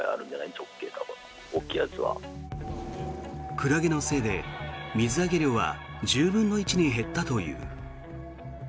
クラゲのせいで水揚げ量は１０分の１に減ったという。